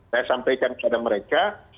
saya sampaikan kepada mereka